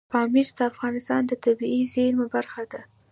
پامیر د افغانستان د طبیعي زیرمو برخه ده.